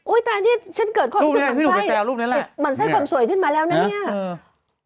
อู้ยแต่นี่ฉันเกิดความที่อาจจะผ่าไส้หมั่นไส้ความสวยขึ้นมาแล้วแน่เนี่ย